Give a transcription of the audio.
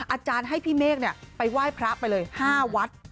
อาจารย์ให้พี่เมฆไปไหว้พระไปเลย๕วัด